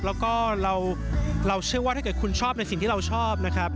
แล้วก็เราเชื่อว่าถ้าเกิดคุณชอบในสิ่งที่เราชอบนะครับ